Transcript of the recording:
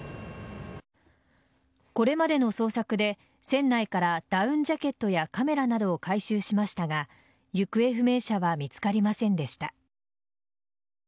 これまでの捜索で船内からダウンジャケットやカメラなどを回収しましたが行方不明者は見つかりませんでした。